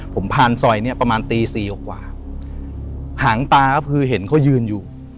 ผมผ่านซอยเนี้ยประมาณตีสี่กว่าหางตาก็คือเห็นเขายืนอยู่